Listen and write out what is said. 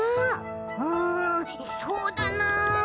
うんそうだな。